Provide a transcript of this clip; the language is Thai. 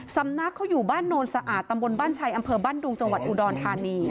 สำนักเขาอยู่บ้านโนนสะอาดตำบลบ้านชัยอำเภอบ้านดุงจังหวัดอุดรธานี